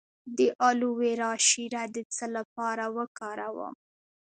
د الوویرا شیره د څه لپاره وکاروم؟